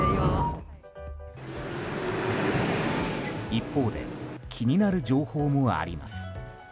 一方で気になる情報もあります。